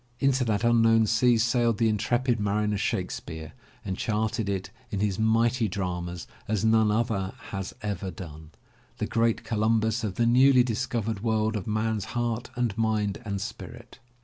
into that unknown sea sailed the intrepid mariner Shakespeare and charted it in his mighty dramas as none other has ever done, the great Columbus of the newly discovered world of man's heart and mind and spirit.